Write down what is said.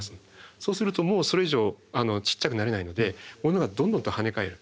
そうするともうそれ以上ちっちゃくなれないので物がどんどんと跳ね返る。